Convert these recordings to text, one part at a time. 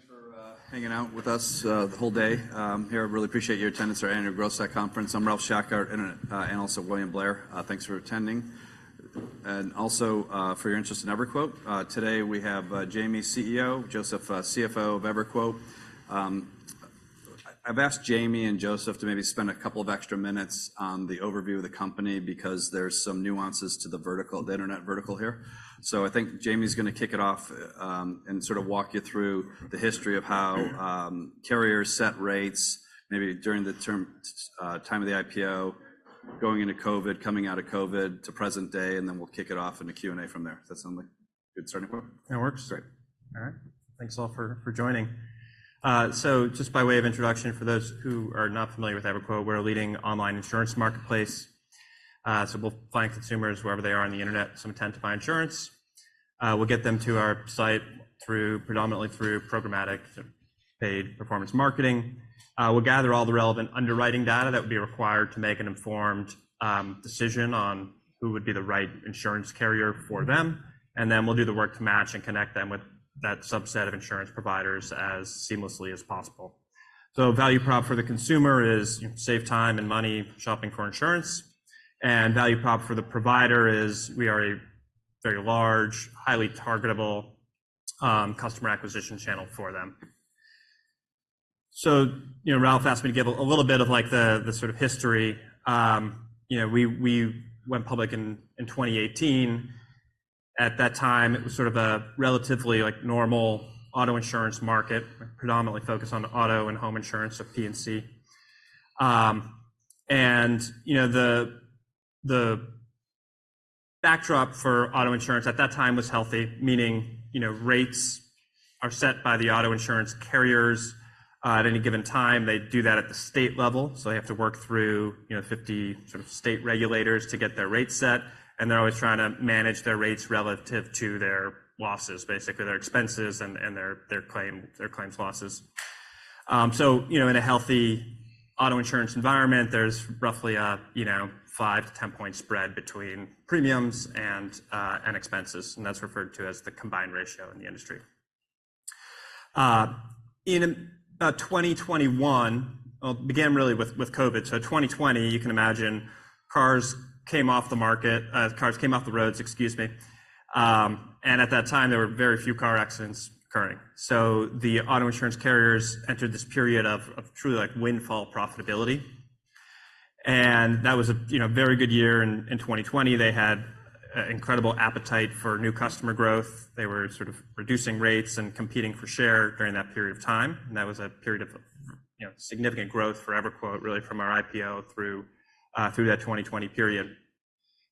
All right, good afternoon. Thanks for hanging out with us the whole day. We really appreciate your attendance at our annual Growth Stock Conference. I'm Ralph Schackart, internet analyst at William Blair. Thanks for attending, and also for your interest in EverQuote. Today, we have Jaymie, CEO, Joseph, CFO of EverQuote. I've asked and Joseph to maybe spend a couple of extra minutes on the overview of the company because there's some nuances to the vertical, the internet vertical here. So I think Jaymie's gonna kick it off, and sort of walk you through the history of how carriers set rates, maybe during the term time of the IPO, going into COVID, coming out of COVID, to present day, and then we'll kick it off in the Q&A from there. Does that sound like a good starting point? That works. Great. All right. Thanks, all, for joining. So just by way of introduction, for those who are not familiar with EverQuote, we're a leading online insurance marketplace. So we'll find consumers wherever they are on the internet, some intent to buy insurance. We'll get them to our site predominantly through programmatic paid performance marketing. We'll gather all the relevant underwriting data that would be required to make an informed decision on who would be the right insurance carrier for them, and then we'll do the work to match and connect them with that subset of insurance providers as seamlessly as possible. So value prop for the consumer is save time and money shopping for insurance, and value prop for the provider is we are a very large, highly targetable customer acquisition channel for them. So, you know, Ralph asked me to give a little bit of, like, the sort of history. You know, we went public in 2018. At that time, it was sort of a relatively, like, normal auto insurance market, predominantly focused on auto and home insurance, so P&C. And, you know, the backdrop for auto insurance at that time was healthy, meaning, you know, rates are set by the auto insurance carriers at any given time. They do that at the state level, so they have to work through, you know, 50 sort of state regulators to get their rates set, and they're always trying to manage their rates relative to their losses, basically their expenses and their claims losses. So, you know, in a healthy auto insurance environment, there's roughly a, you know, 5-10-point spread between premiums and and expenses, and that's referred to as the Combined ratio in the industry. In 2021, Well, it began really with COVID. So 2020, you can imagine, cars came off the market, cars came off the roads, excuse me. And at that time, there were very few car accidents occurring. So the auto insurance carriers entered this period of truly, like, windfall profitability, and that was a, you know, very good year in 2020. They had incredible appetite for new customer growth. They were sort of reducing rates and competing for share during that period of time, and that was a period of, you know, significant growth for EverQuote, really, from our IPO through that 2020 period.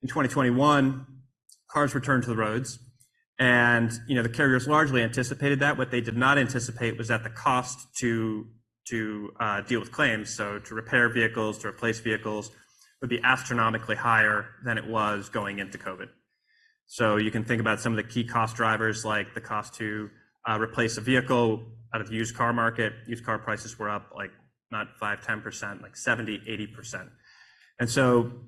In 2021, cars returned to the roads, and, you know, the carriers largely anticipated that. What they did not anticipate was that the cost to deal with claims, so to repair vehicles, to replace vehicles, would be astronomically higher than it was going into COVID. So you can think about some of the key cost drivers, like the cost to replace a vehicle out of the used car market. Used car prices were up, like, not five, 10%, like 70, 80%.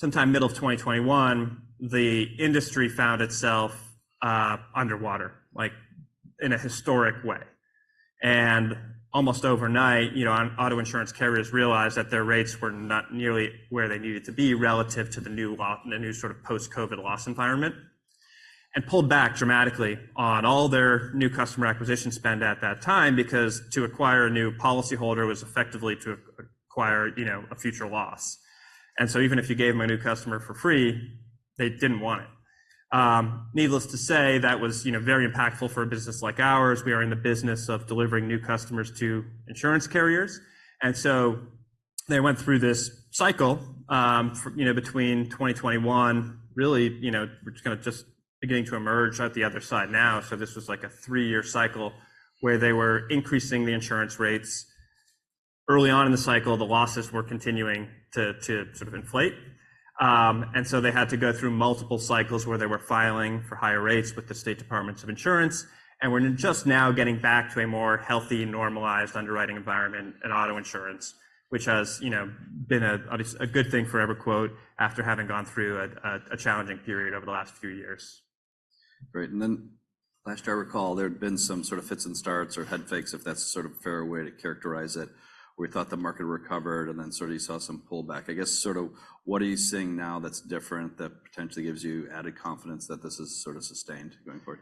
Sometime middle of 2021, the industry found itself underwater, like, in a historic way, and almost overnight, you know, auto insurance carriers realized that their rates were not nearly where they needed to be relative to the new sort of post-COVID loss environment and pulled back dramatically on all their new customer acquisition spend at that time, because to acquire a new policyholder was effectively to acquire, you know, a future loss. Even if you gave them a new customer for free, they didn't want it. Needless to say, that was, you know, very impactful for a business like ours. We are in the business of delivering new customers to insurance carriers, and so they went through this cycle, for, you know, between 2021, really, you know, we're kind of just beginning to emerge out the other side now. So this was, like, a three-year cycle where they were increasing the insurance rates. Early on in the cycle, the losses were continuing to sort of inflate, and so they had to go through multiple cycles where they were filing for higher rates with the state departments of insurance and we're just now getting back to a more healthy, normalized underwriting environment in auto insurance, which has, you know, been a good thing for EverQuote after having gone through a challenging period over the last few years. Great, and then last I recall, there had been some sort of fits and starts or head fakes, if that's a sort of fair way to characterize it. We thought the market recovered, and then sort of you saw some pullback. I guess, sort of, what are you seeing now that's different that potentially gives you added confidence that this is sort of sustained going forward?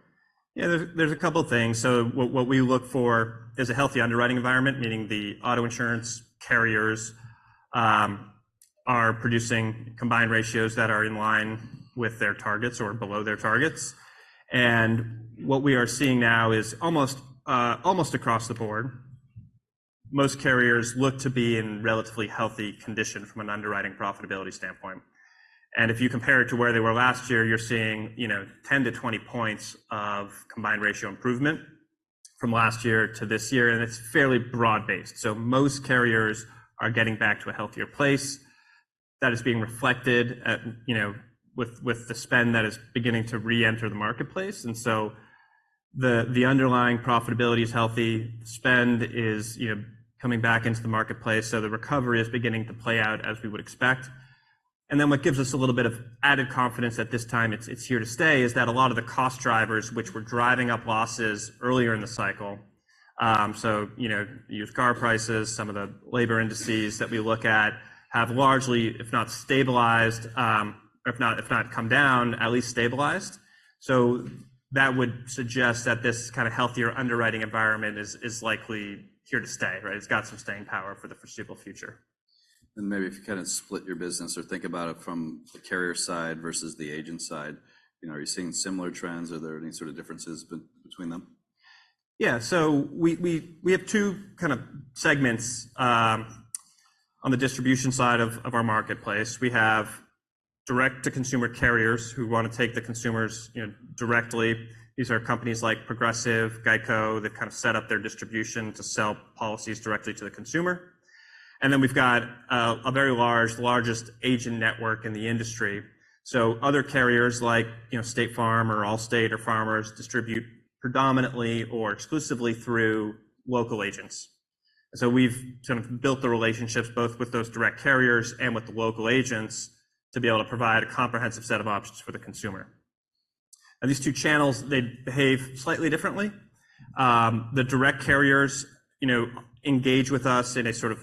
Yeah, there's a couple things. So what we look for is a healthy underwriting environment, meaning the auto insurance carriers are producing combined ratios that are in line with their targets or below their targets. And what we are seeing now is almost across the board, most carriers look to be in relatively healthy condition from an underwriting profitability standpoint. And if you compare it to where they were last year, you're seeing, you know, 10-20 points of combined ratios improvement from last year to this year, and it's fairly broad-based. So most carriers are getting back to a healthier place. That is being reflected, you know, with the spend that is beginning to reenter the marketplace, and so the underlying profitability is healthy. Spend is, you know, coming back into the marketplace, so the recovery is beginning to play out as we would expect. And then what gives us a little bit of added confidence that this time it's, it's here to stay, is that a lot of the cost drivers which were driving up losses earlier in the cycle, so, you know, used car prices, some of the labor indices that we look at have largely, if not stabilized, if not, if not come down, at least stabilized. So that would suggest that this kind of healthier underwriting environment is, is likely here to stay, right? It's got some staying power for the foreseeable future. Maybe if you kind of split your business or think about it from the carrier side versus the agent side, you know, are you seeing similar trends? Are there any sort of differences between them? Yeah, so we have two kind of segments on the distribution side of our marketplace. We have direct-to-consumer carriers who want to take the consumers, you know, directly. These are companies like Progressive, GEICO, that kind of set up their distribution to sell policies directly to the consumer. And then we've got a very large, largest agent network in the industry. So other carriers like, you know, State Farm or Allstate or Farmers distribute predominantly or exclusively through local agents. So we've kind of built the relationships both with those direct carriers and with the local agents to be able to provide a comprehensive set of options for the consumer. And these two channels, they behave slightly differently. The direct carriers, you know, engage with us in a sort of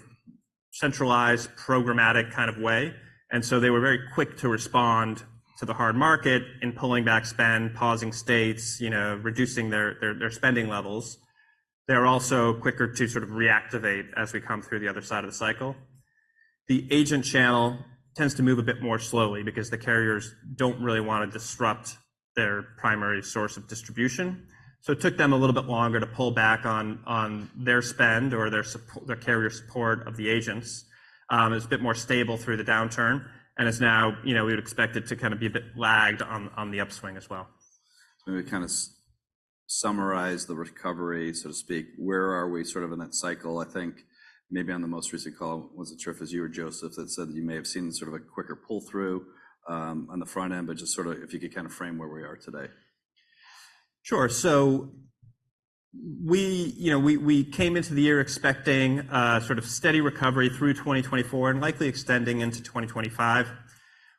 centralized, programmatic kind of way, and so they were very quick to respond to the hard market in pulling back spend, pausing states, you know, reducing their spending levels. They're also quicker to sort of reactivate as we come through the other side of the cycle. The agent channel tends to move a bit more slowly because the carriers don't really want to disrupt their primary source of distribution. So it took them a little bit longer to pull back on their spend or their carrier support of the agents. It's a bit more stable through the downturn and is now, you know, we would expect it to kind of be a bit lagged on the upswing as well. So maybe kind of summarize the recovery, so to speak. Where are we sort of in that cycle? I think maybe on the most recent call, wasn't sure if it was you or Joseph, that said that you may have seen sort of a quicker pull-through, on the front end, but just sort of if you could kind of frame where we are today. Sure. So we, you know, we came into the year expecting a sort of steady recovery through 2024 and likely extending into 2025.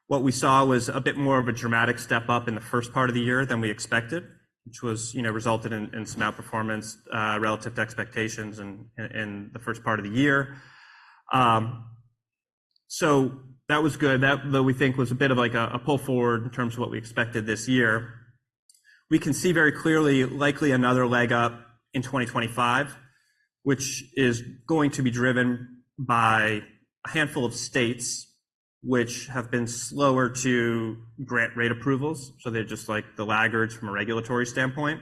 What we saw was a bit more of a dramatic step-up in the first part of the year than we expected, which was, you know, resulted in some outperformance relative to expectations in the first part of the year. So that was good. That, though, we think was a bit of like a pull forward in terms of what we expected this year. We can see very clearly, likely another leg up in 2025, which is going to be driven by a handful of states which have been slower to grant rate approvals, so they're just like the laggards from a regulatory standpoint.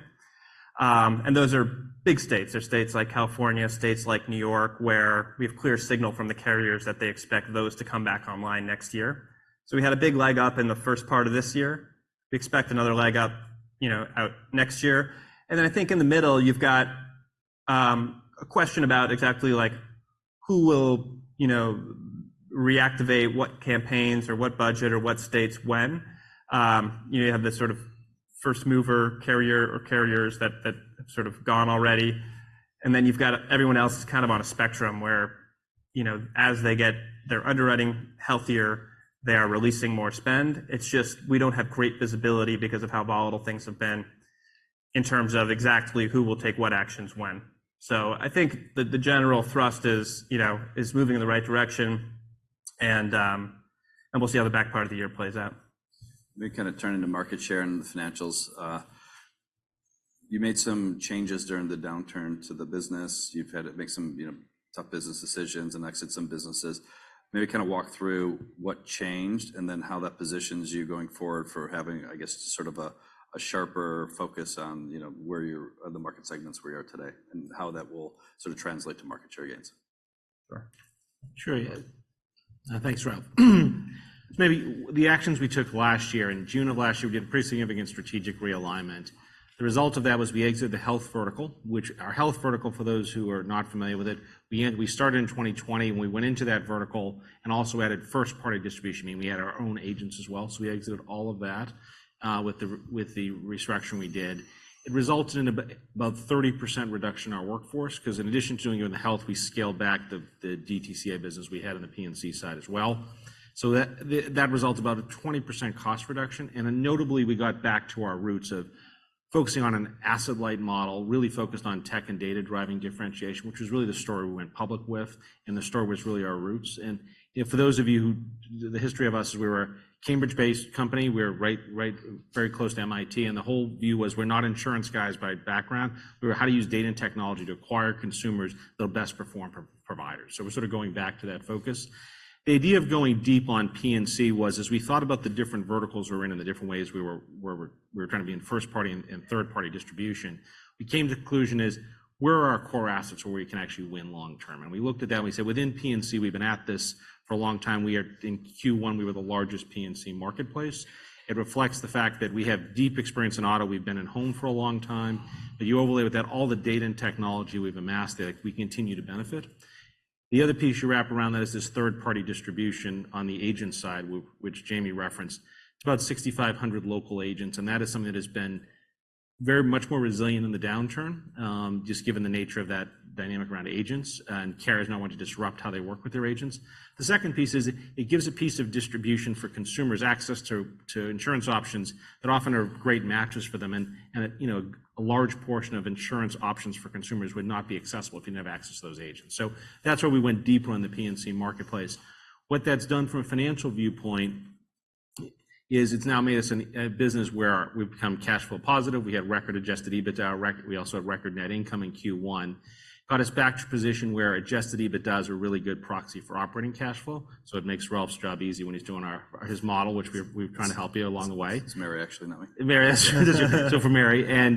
And those are big states. They're states like California, states like New York, where we have clear signal from the carriers that they expect those to come back online next year. So we had a big leg up in the first part of this year. We expect another leg up, you know, out next year. And then I think in the middle, you've got a question about exactly like, who will, you know, reactivate what campaigns or what budget or what states when? You know, you have this sort of first mover carrier or carriers that sort of gone already. And then you've got everyone else is kind of on a spectrum where, you know, as they get their underwriting healthier, they are releasing more spend. It's just we don't have great visibility because of how volatile things have been in terms of exactly who will take what actions when. I think the general thrust is, you know, moving in the right direction and we'll see how the back part of the year plays out. Let me kind of turn into market share and the financials. You made some changes during the downturn to the business. You've had to make some, you know, tough business decisions and exit some businesses. Maybe kind of walk through what changed and then how that positions you going forward for having, I guess, sort of a sharper focus on, you know, where you're, the market segments where you are today and how that will sort of translate to market share gains. Sure. Sure, yeah. Thanks, Ralph. Maybe the actions we took last year, in June of last year, we did a pretty significant strategic realignment. The result of that was we exited the health vertical, which our health vertical, for those who are not familiar with it, we started in 2020, and we went into that vertical and also added first-party distribution, meaning we had our own agents as well. So we exited all of that, with the restructure we did. It resulted in about 30% reduction in our workforce, 'cause in addition to doing it in the health, we scaled back the DTC business we had on the P&C side as well. That resulted about a 20% cost reduction, and then notably, we got back to our roots of focusing on an asset-light model, really focused on tech and data-driven differentiation, which was really the story we went public with, and the story was really our roots. And, you know, for those of you who... The history of us is we were a Cambridge-based company. We were right, very close to MIT, and the whole view was we're not insurance guys by background. We were how to use data and technology to acquire consumers the best performing providers. So we're sort of going back to that focus. The idea of going deep on P&C was, as we thought about the different verticals we're in and the different ways we were trying to be in first-party and third-party distribution, we came to the conclusion is, where are our core assets, where we can actually win long term? And we looked at that, and we said, within P&C, we've been at this for a long time. We are in Q1, we were the largest P&C marketplace. It reflects the fact that we have deep experience in auto. We've been in home for a long time. But you overlay with that all the data and technology we've amassed, that we continue to benefit. The other piece you wrap around that is this third-party distribution on the agent side, which Jayme referenced. It's about 6,500 local agents, and that is something that has been very much more resilient in the downturn, just given the nature of that dynamic around agents, and carrier is not wanting to disrupt how they work with their agents. The second piece is it gives a piece of distribution for consumers access to insurance options that often are great matches for them. And, you know, a large portion of insurance options for consumers would not be accessible if you never access those agents. So that's why we went deeper on the P&C marketplace. What that's done from a financial viewpoint is it's now made us a business where we've become cash flow positive. We had record Adjusted EBITDA record. We also have record net income in Q1. Got us back to a position where Adjusted EBITDAs are a really good proxy for operating cash flow, so it makes Ralph's job easy when he's doing his model, which we've tried to help you along the way. It's Mary, actually, not me. Maria. So for Maria,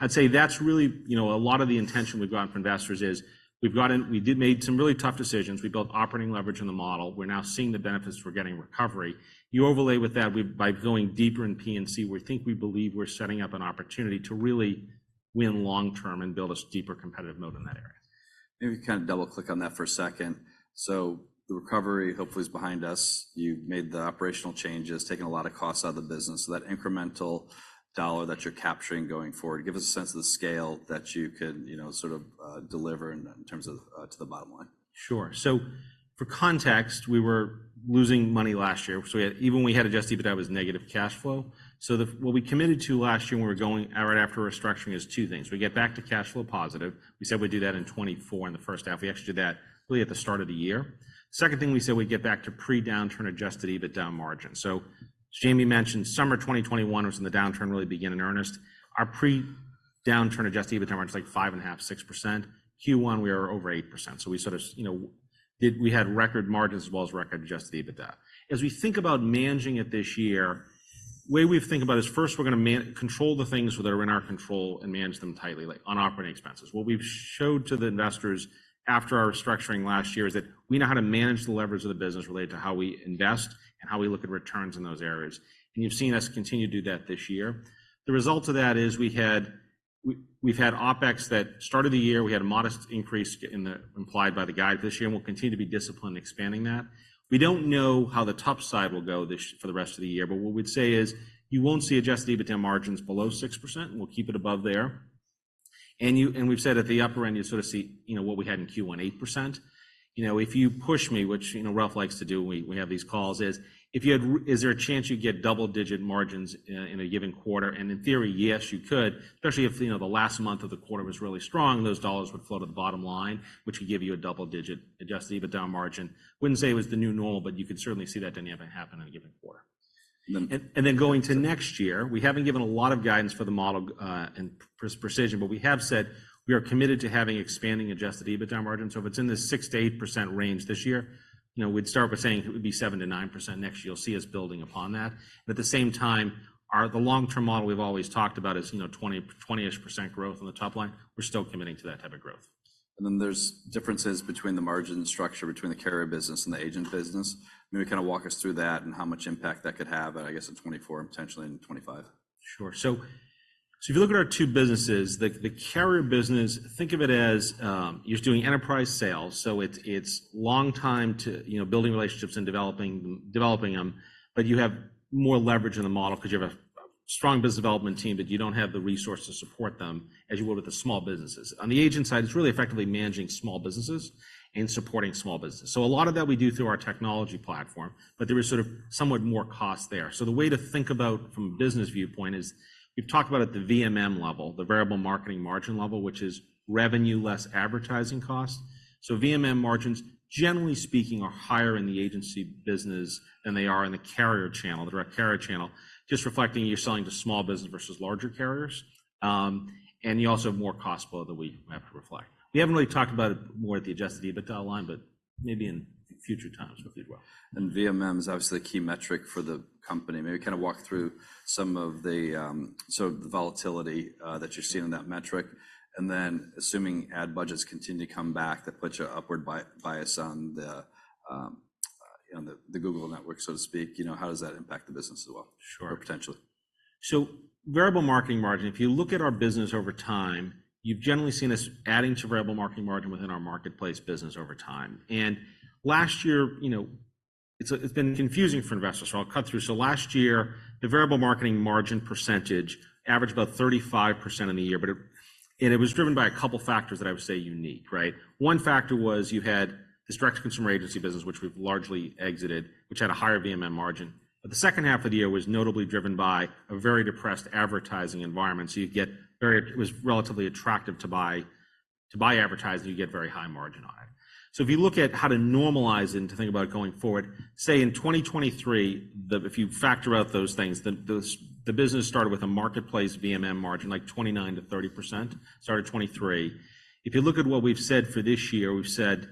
I'd say that's really, you know, a lot of the intention we've got for investors is we've got in we did made some really tough decisions. We built operating leverage in the model. We're now seeing the benefits; we're getting recovery. You overlay with that, we, by going deeper in P&C, we think we believe we're setting up an opportunity to really win long term and build a deeper competitive mode in that area. Maybe you can double-click on that for a second. So the recovery, hopefully, is behind us. You've made the operational changes, taken a lot of costs out of the business. So that incremental dollar that you're capturing going forward, give us a sense of the scale that you can, you know, sort of, deliver in, in terms of, to the bottom line. Sure. So for context, we were losing money last year, so we had... Even when we had Adjusted EBITDA, that was negative cash flow. So what we committed to last year when we were going out right after restructuring is two things: We get back to cash flow positive. We said we'd do that in 2024, in the first half. We actually did that really at the start of the year. Second thing, we said we'd get back to pre-downturn, Adjusted EBITDA margin. So Jayme mentioned summer 2021 was when the downturn really began in earnest. Our pre-downturn Adjusted EBITDA margin is, like, 5.5%-6%. Q1, we are over 8%. So we sort of, you know, did we had record margins as well as record Adjusted EBITDA. As we think about managing it this year, way we think about it is first, we're going to control the things that are in our control and manage them tightly, like on operating expenses. What we've showed to the investors after our restructuring last year is that we know how to manage the leverage of the business related to how we invest and how we look at returns in those areas, and you've seen us continue to do that this year. The result of that is we've had OpEx that started the year. We had a modest increase in the implied by the guide this year, and we'll continue to be disciplined in expanding that. We don't know how the top side will go this for the rest of the year, but what we'd say is you won't see Adjusted EBITDA margins below 6%, and we'll keep it above there. And you and we've said at the upper end, you sort of see, you know, what we had in Q1, 8%. You know, if you push me, which, you know, Ralph likes to do when we have these calls, is if you had is there a chance you'd get double-digit margins in a given quarter? And in theory, yes, you could, especially if, you know, the last month of the quarter was really strong, those dollars would flow to the bottom line, which would give you a double-digit Adjusted EBITDA margin. Wouldn't say it was the new normal, but you could certainly see that didn't ever happen in a given quarter. And then? Going to next year, we haven't given a lot of guidance for the model and precision, but we have said we are committed to having expanding Adjusted EBITDA margin. So if it's in the 6%-8% range this year, you know, we'd start by saying it would be 7%-9%. Next year, you'll see us building upon that. But at the same time, the long-term model we've always talked about is, you know, 20, 20-ish% growth on the top line. We're still committing to that type of growth. And then there's differences between the margin structure between the carrier business and the agent business. Maybe kind of walk us through that and how much impact that could have, I guess, in 2024 and potentially in 2025? Sure. So if you look at our two businesses, the carrier business, think of it as you're doing enterprise sales, so it's long time to, you know, building relationships and developing them. But you have more leverage in the model because you have a strong business development team, but you don't have the resources to support them as you would with the small businesses. On the agent side, it's really effectively managing small businesses and supporting small business. So a lot of that we do through our technology platform, but there is sort of somewhat more cost there. So the way to think about from a business viewpoint is we've talked about at the VMM level, the variable marketing margin level, which is revenue less advertising costs. So VMM margins, generally speaking, are higher in the agency business than they are in the carrier channel, the direct carrier channel, just reflecting you're selling to small business versus larger carriers. And you also have more cost flow that we have to reflect. We haven't really talked about it more at the Adjusted EBITDA line, but maybe in future times we'll do well. VMM is obviously a key metric for the company. Maybe kind of walk through some of the, sort of the volatility that you're seeing in that metric. Then, assuming ad budgets continue to come back, that puts you upward bias on the Google network, so to speak, you know, how does that impact the business as well? Sure. Potentially. So Variable Marketing Margin, if you look at our business over time, you've generally seen us adding to Variable Marketing Margin within our marketplace business over time. And last year, you know, it's been confusing for investors, so I'll cut through. So last year, the Variable Marketing Margin percentage averaged about 35% in the year, but it and it was driven by a couple factors that I would say unique, right? One factor was you had this direct-to-consumer agency business, which we've largely exited, which had a higher VMM margin. But the second half of the year was notably driven by a very depressed advertising environment. So you get very it was relatively attractive to buy advertising, you get very high margin on it. So if you look at how to normalize and to think about going forward, say, in 2023, if you factor out those things, the business started with a marketplace VMM margin, like 29%-30%, started 2023. If you look at what we've said for this year, we've said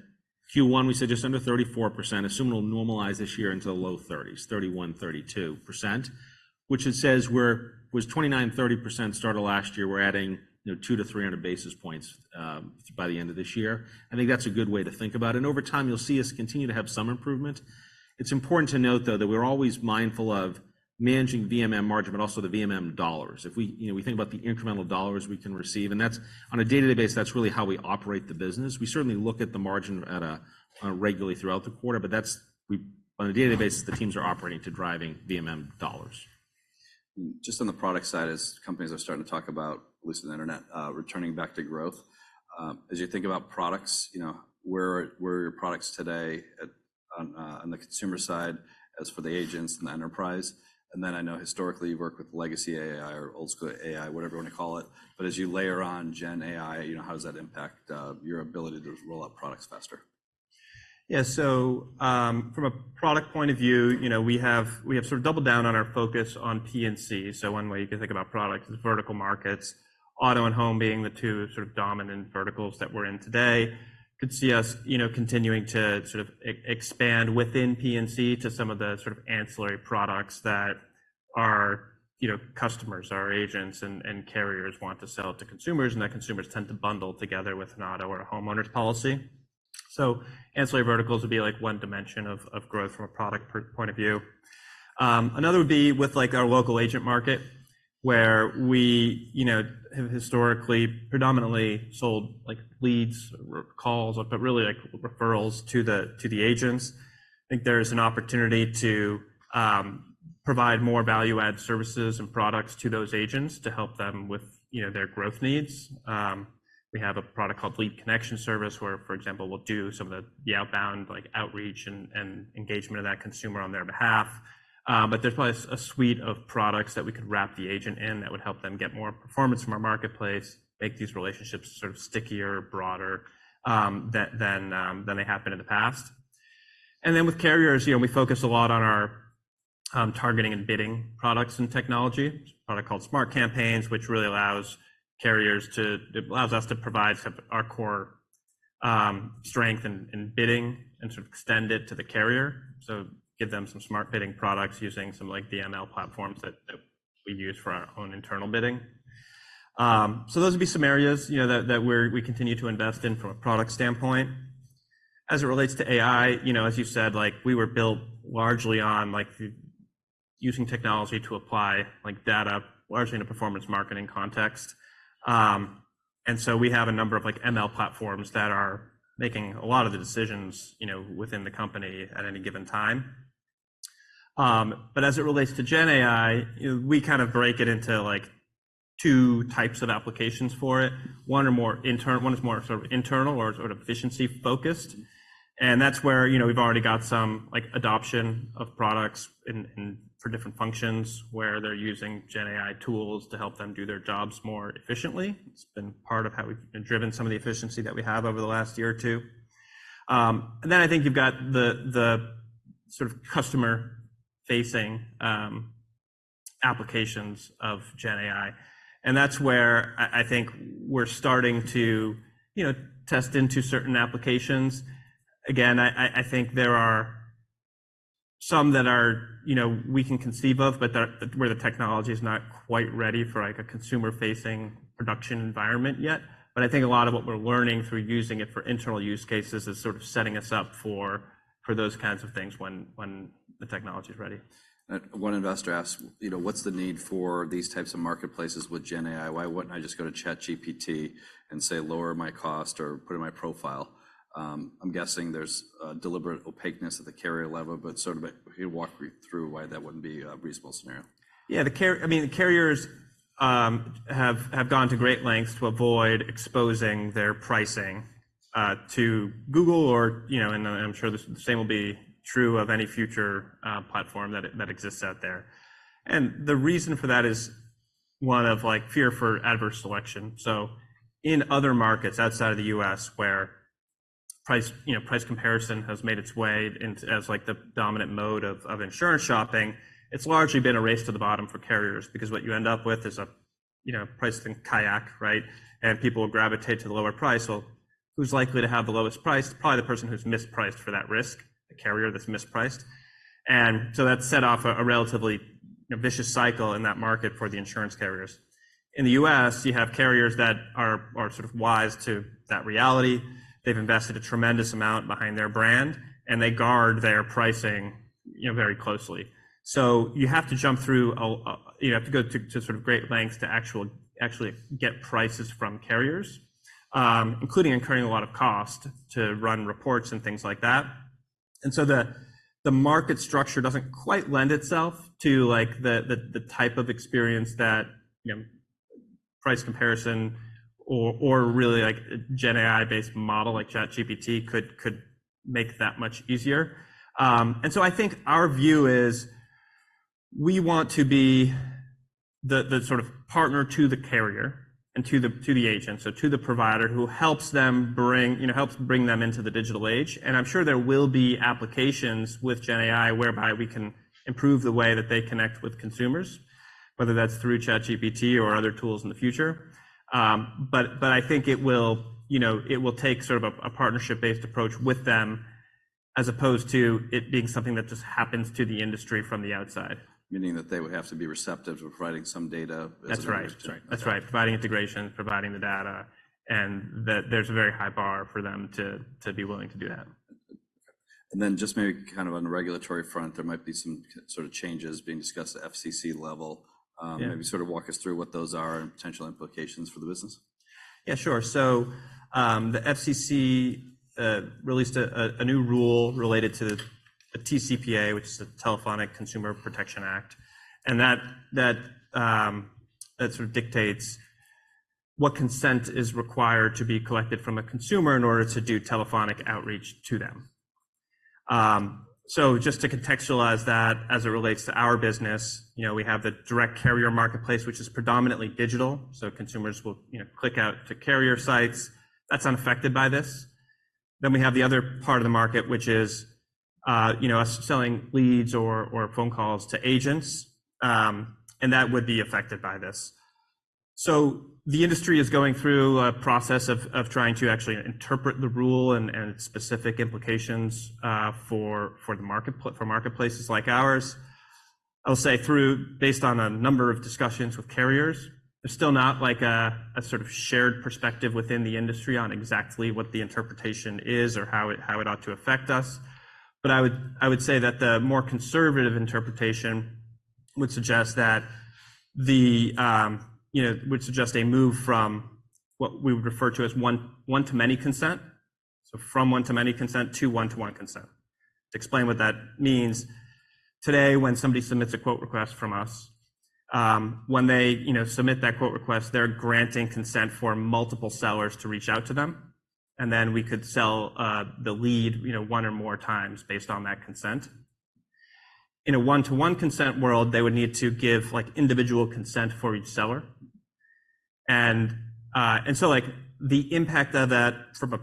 Q1, we said just under 34%. Assume it'll normalize this year into the low 30s, 31%-32%, which it says we're-- was 29%-30% start of last year. We're adding, you know, 200-300 basis points by the end of this year. I think that's a good way to think about it. And over time, you'll see us continue to have some improvement. It's important to note, though, that we're always mindful of managing VMM margin, but also the VMM dollars. If we, you know, we think about the incremental dollars we can receive, and that's on a day-to-day basis, that's really how we operate the business. We certainly look at the margin at a regularly throughout the quarter, but that's. We, on a day-to-day basis, the teams are operating to driving VMM dollars. ... Just on the product side, as companies are starting to talk about, at least on the internet, returning back to growth. As you think about products, you know, where are, where are your products today at, on, on the consumer side, as for the agents and the enterprise? And then I know historically, you've worked with legacy AI or old school AI, whatever you wanna call it, but as you layer on Gen AI, you know, how does that impact your ability to roll out products faster? Yeah. So, from a product point of view, you know, we have, we have sort of doubled down on our focus on P&C. So one way you can think about products is vertical markets, auto and home being the two sort of dominant verticals that we're in today. You could see us, you know, continuing to sort of expand within P&C to some of the sort of ancillary products that our, you know, customers, our agents and carriers want to sell to consumers, and that consumers tend to bundle together with an auto or a homeowner's policy. So ancillary verticals would be like one dimension of growth from a product point of view. Another would be with like our local agent market, where we, you know, have historically, predominantly sold like leads or calls, but really like referrals to the agents. I think there is an opportunity to provide more value-add services and products to those agents to help them with, you know, their growth needs. We have a product called Lead Connection Service, where, for example, we'll do some of the outbound, like outreach and engagement of that consumer on their behalf. But there's probably a suite of products that we could wrap the agent in that would help them get more performance from our marketplace, make these relationships sort of stickier, broader, than they have been in the past. And then with carriers, you know, we focus a lot on our targeting and bidding products and technology, a product called Smart Campaigns, which really allows carriers to. It allows us to provide our core strength in bidding and sort of extend it to the carrier. So give them some smart bidding products using some, like, the ML platforms that we use for our own internal bidding. So those would be some areas, you know, that we're continue to invest in from a product standpoint. As it relates to AI, you know, as you said, like, we were built largely on, like, using technology to apply, like, data largely in a performance marketing context. And so we have a number of, like, ML platforms that are making a lot of the decisions, you know, within the company at any given time. But as it relates to Gen AI, we kind of break it into, like, two types of applications for it. One are more intern... One is more sort of internal or sort of efficiency-focused, and that's where, you know, we've already got some, like, adoption of products in for different functions, where they're using Gen AI tools to help them do their jobs more efficiently. It's been part of how we've driven some of the efficiency that we have over the last year or two. And then I think you've got the sort of customer-facing applications of Gen AI, and that's where I think we're starting to, you know, test into certain applications. Again, I think there are some that are, you know, we can conceive of, but that where the technology is not quite ready for like a consumer-facing production environment yet. But I think a lot of what we're learning through using it for internal use cases is sort of setting us up for those kinds of things when the technology is ready. One investor asked, you know, "What's the need for these types of marketplaces with Gen AI? Why wouldn't I just go to ChatGPT and say, 'Lower my cost' or put in my profile?" I'm guessing there's a deliberate opaqueness at the carrier level, but sort of walk me through why that wouldn't be a reasonable scenario. Yeah, the carrier, I mean, the carriers, have, have gone to great lengths to avoid exposing their pricing, to Google or, you know, and I'm sure the same will be true of any future, platform that, that exists out there. And the reason for that is one of, like, fear for adverse selection. So in other markets outside of the US, where price, you know, price comparison has made its way into as like the dominant mode of, of insurance shopping, it's largely been a race to the bottom for carriers because what you end up with is a, you know, price in KAYAK, right? And people will gravitate to the lower price. Well, who's likely to have the lowest price? Probably the person who's mispriced for that risk, the carrier that's mispriced. And so that set off a relatively vicious cycle in that market for the insurance carriers. In the US, you have carriers that are sort of wise to that reality. They've invested a tremendous amount behind their brand, and they guard their pricing, you know, very closely. So you have to jump through a... You have to go to sort of great lengths to actually get prices from carriers, including incurring a lot of cost to run reports and things like that. And so the market structure doesn't quite lend itself to like the type of experience that, you know, price comparison or really, like a Gen AI-based model like ChatGPT could make that much easier. And so I think our view is we want to be the sort of partner to the carrier and to the agent, so to the provider who helps bring them, you know, into the digital age. And I'm sure there will be applications with Gen AI whereby we can improve the way that they connect with consumers, whether that's through ChatGPT or other tools in the future. But I think it will, you know, take sort of a partnership-based approach with them, as opposed to it being something that just happens to the industry from the outside. Meaning that they would have to be receptive to providing some data. That's right. That's right. Providing integration, providing the data, and that there's a very high bar for them to, to be willing to do that. And then just maybe kind of on the regulatory front, there might be some sort of changes being discussed at FCC level. Yeah. Maybe sort of walk us through what those are and potential implications for the business. Yeah, sure. So, the FCC released a new rule related to the TCPA, which is the Telephone Consumer Protection Act, and that sort of dictates what consent is required to be collected from a consumer in order to do telephonic outreach to them. So just to contextualize that as it relates to our business, you know, we have the direct carrier marketplace, which is predominantly digital, so consumers will, you know, click out to carrier sites. That's unaffected by this. Then we have the other part of the market, which is, you know, us selling leads or phone calls to agents, and that would be affected by this. So the industry is going through a process of trying to actually interpret the rule and specific implications for marketplaces like ours. I'll say, though, based on a number of discussions with carriers, there's still not like a sort of shared perspective within the industry on exactly what the interpretation is or how it ought to affect us. But I would say that the more conservative interpretation would suggest that you know, would suggest a move from what we would refer to as one-to-many consent, so from one-to-many consent to one-to-one consent. To explain what that means, today, when somebody submits a quote request from us, when they you know, submit that quote request, they're granting consent for multiple sellers to reach out to them, and then we could sell the lead you know, one or more times based on that consent. In a one-to-one consent world, they would need to give, like, individual consent for each seller. And, and so, like, the impact of that from a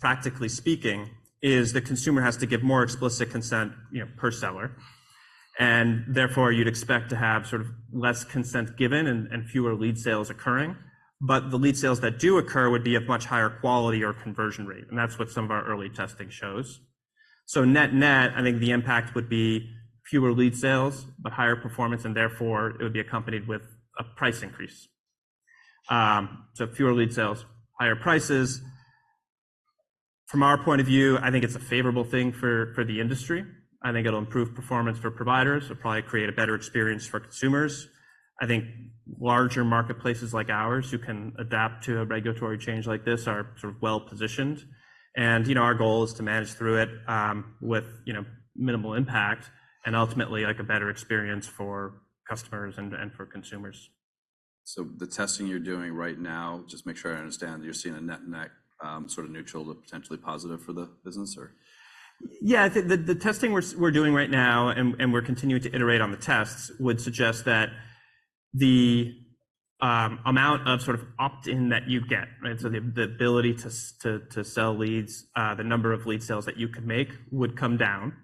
practically speaking, is the consumer has to give more explicit consent, you know, per seller, and therefore, you'd expect to have sort of less consent given and fewer lead sales occurring. But the lead sales that do occur would be of much higher quality or conversion rate, and that's what some of our early testing shows. So net-net, I think the impact would be fewer lead sales, but higher performance, and therefore, it would be accompanied with a price increase. So fewer lead sales, higher prices. From our point of view, I think it's a favorable thing for the industry. I think it'll improve performance for providers. It'll probably create a better experience for consumers. I think larger marketplaces like ours, who can adapt to a regulatory change like this, are sort of well positioned. You know, our goal is to manage through it with, you know, minimal impact and ultimately, like, a better experience for customers and, and for consumers. The testing you're doing right now, just to make sure I understand, you're seeing a net-net, sort of neutral to potentially positive for the business, or? Yeah, I think the testing we're doing right now, and we're continuing to iterate on the tests, would suggest that the amount of sort of opt-in that you get, right? So the ability to sell leads, the number of lead sales that you can make would come down,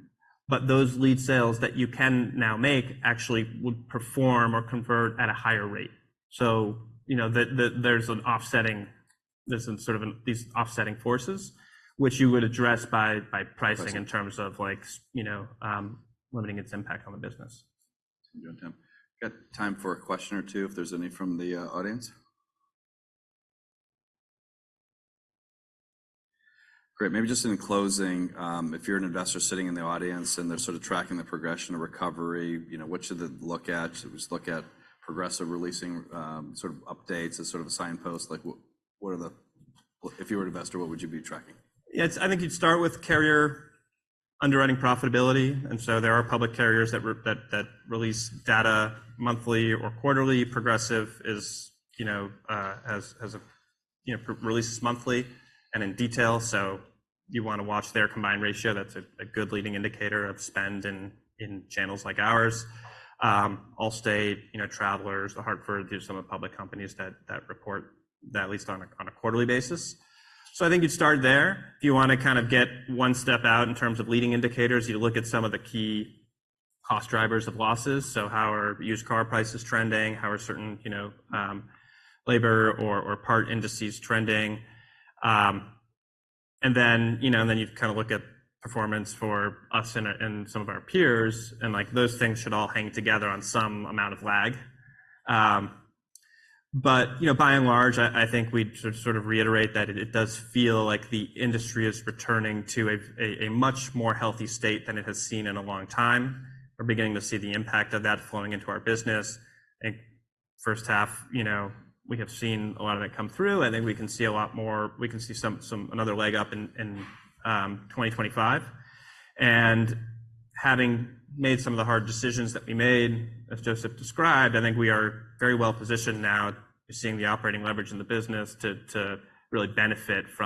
but those lead sales that you can now make actually would perform or convert at a higher rate. So, you know, there's an offsetting... There's some sort of these offsetting forces, which you would address by pricing- Pricing. in terms of like, you know, limiting its impact on the business. Good time. Got time for a question or two if there's any from the audience. Great, maybe just in closing, if you're an investor sitting in the audience, and they're sort of tracking the progression of recovery, you know, what should they look at? Should they just look at Progressive releasing, sort of updates as sort of a signpost? Like, if you were an investor, what would you be tracking? Yeah, I think you'd start with carrier underwriting profitability, and so there are public carriers that release data monthly or quarterly. Progressive is, you know, has releases monthly and in detail, so you want to watch their combined ratio. That's a good leading indicator of spend in channels like ours. Allstate, you know, Travelers, or Hartford, these are some of public companies that report that at least on a quarterly basis. So I think you'd start there. If you want to kind of get one step out in terms of leading indicators, you look at some of the key cost drivers of losses. So how are used car prices trending? How are certain, you know, labor or part indices trending? Then, you know, then you kind of look at performance for us and some of our peers, and, like, those things should all hang together on some amount of lag. But, you know, by and large, I think we sort of reiterate that it does feel like the industry is returning to a much more healthy state than it has seen in a long time. We're beginning to see the impact of that flowing into our business. I think first half, you know, we have seen a lot of it come through, and then we can see a lot more. We can see another leg up in 2025. And having made some of the hard decisions that we made, as Joseph described, I think we are very well positioned now, seeing the operating leverage in the business, to really benefit from.